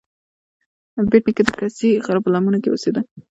بېټ نیکه د کسي غره په لمنو کې اوسیده.